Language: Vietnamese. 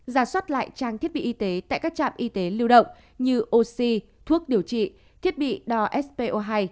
giả soát lại trang thiết bị y tế tại các trạm y tế lưu động như oxy thuốc điều trị thiết bị đo spo hai